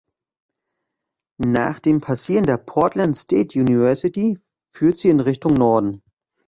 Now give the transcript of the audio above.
Nach dem Passieren der Portland State University führt sie in Richtung Norden.